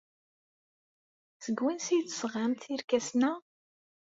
Seg wansi ay d-tesɣamt irkasen-a?